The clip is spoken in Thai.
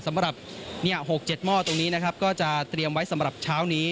สำหรับ๖๗หม้อตรงนี้นะครับก็จะเตรียมไว้สำหรับเช้านี้